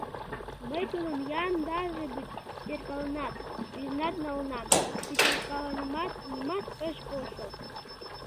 Мый тудым яндаже гыч перкаленат, рӱзенат налынам, пӱтыркаленамат — нимат ыш полшо.